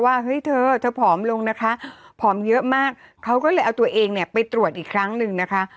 เฮ้ยเธอเธอผอมลงนะคะผอมเยอะมากเขาก็เลยเอาตัวเองเนี่ยไปตรวจอีกครั้งหนึ่งนะคะ